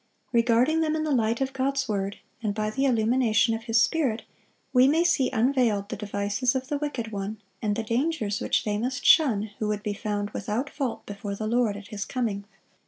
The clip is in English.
Regarding them in the light of God's word, and by the illumination of His Spirit, we may see unveiled the devices of the wicked one, and the dangers which they must shun who would be found "without fault" before the Lord at His coming.